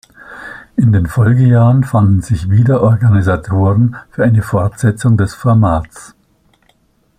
In den Folgejahren fanden sich wieder Organisatoren für eine Fortsetzung des Formats.